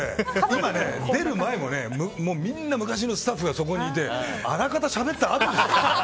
今出る前もみんな昔のスタッフがそこにいてあらかたしゃべったあとですよ。